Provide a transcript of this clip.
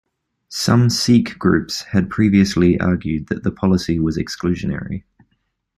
Some Sikh groups had previously argued that the policy was exclusionary.